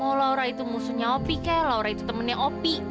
mau laura itu musuhnya opi kayaknya laura itu temennya opi